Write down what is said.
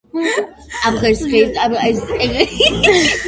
გაფორმებულია სადა და დახვეწილი ჩუქურთმებით.